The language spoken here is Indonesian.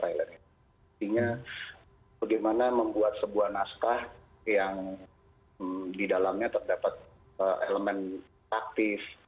intinya bagaimana membuat sebuah naskah yang didalamnya terdapat elemen aktif